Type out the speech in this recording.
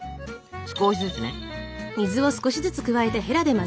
少しずつね。